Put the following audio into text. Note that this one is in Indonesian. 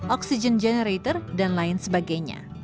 oksigen generator dan lain sebagainya